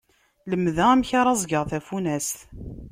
Lemdeɣ amek ara ẓẓgeɣ tafunast.